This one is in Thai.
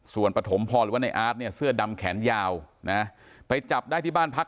ส่วนปฐมพ่อหรือว่านายอาร์ทเสื้อดำแขนยาวไปจับได้ที่บ้านพัก